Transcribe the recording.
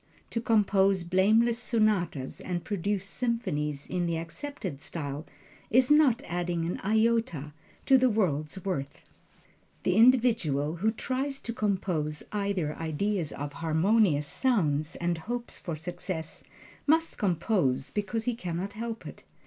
To compose blameless sonatas and produce symphonies in the accepted style, is not adding an iota to the world's worth. The individual who tries to compose either ideas or harmonious sounds, and hopes for success, must compose because he can not help it.